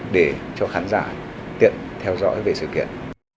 để cho khán giả tiện theo dõi về sự kiện